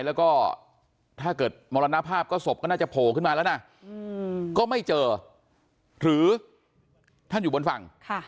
แล้วก็ถ้าเกิดมรณภาพก็ศพก็น่าจะโผล่ขึ้นมาแล้วนะก็ไม่เจอหรือท่านอยู่บนฝั่ง